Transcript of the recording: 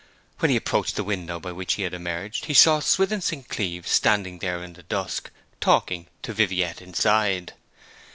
When he approached the window by which he had emerged he saw Swithin St. Cleeve standing there in the dusk, talking to Viviette inside.